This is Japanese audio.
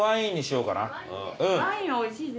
ワインおいしいですよ。